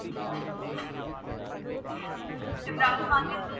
یہ ایک phone call تھی۔